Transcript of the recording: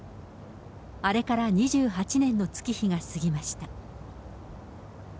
あれから２８年の月日が過ぎました。